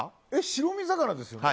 白身魚ですよね？